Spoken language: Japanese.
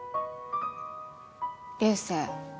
流星。